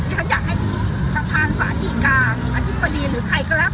ฉันอยากให้ทางสาธิกาอธิบดีหรือใครก็แล้ว